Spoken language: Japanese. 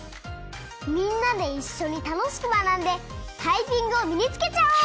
みんなでいっしょにたのしくまなんでタイピングをみにつけちゃおう！